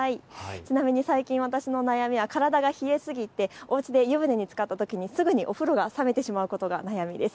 ちなみに最近私の悩みは体が冷えすぎておうちで湯船につかったときにすぐにお風呂が冷めてしまうのが悩みです。